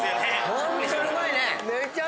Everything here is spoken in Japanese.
ホントにうまいね！